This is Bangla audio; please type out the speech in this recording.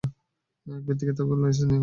এক ব্যক্তি ওঁকে লেজে করে নিয়ে যাবেন।